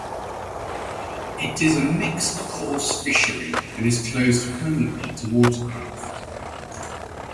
It is a mixed coarse fishery and is closed permanently to watercraft.